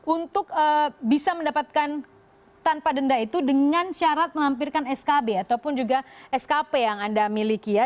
untuk bisa mendapatkan tanpa denda itu dengan syarat menghampirkan skb ataupun juga skp yang anda miliki ya